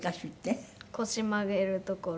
腰曲げるところ。